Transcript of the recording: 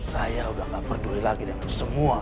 saya sudah tidak peduli lagi dengan semua ini